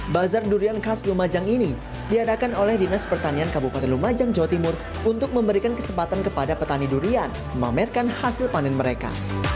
bazar durian khas lumajang ini diadakan oleh dinas pertanian kabupaten lumajang jawa timur untuk memberikan kesempatan kepada petani durian memamerkan hasil panen mereka